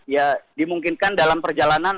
ya dimungkinkan dalam perjalanan